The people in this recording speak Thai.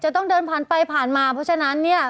ต้องเดินผ่านไปผ่านมาเพราะฉะนั้นเนี่ย